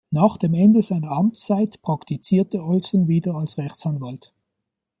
Nach dem Ende seiner Amtszeit praktizierte Olson wieder als Rechtsanwalt.